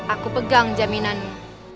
aku pegang jaminanmu